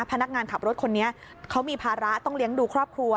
พนักงานขับรถคนนี้เขามีภาระต้องเลี้ยงดูครอบครัว